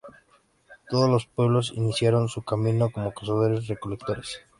Todos los pueblos iniciaron su camino como cazadores-recolectores.